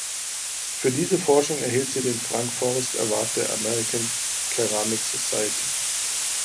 Für diese Forschung erhielt sie den Frank Forrest Award der American Ceramic Society.